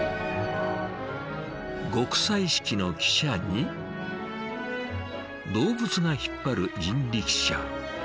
極彩色の汽車に動物が引っ張る人力車。